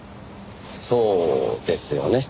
そうですよね。